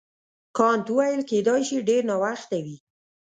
کانت وویل کیدای شي ډېر ناوخته وي.